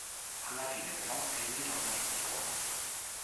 Alla fine, però, egli tornò sul trono.